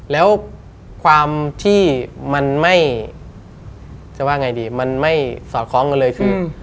แล้วความที่มันไม่สอดคล้องกันเลยคือ